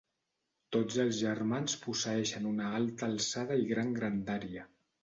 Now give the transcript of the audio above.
Tots els germans posseeixen una alta alçada i gran grandària.